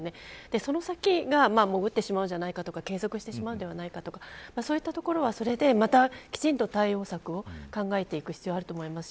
その先が潜ってしまうんじゃないかというか継続してしまうんじゃないかとかそういったところはきちんと対応策を考えていく必要があると思います。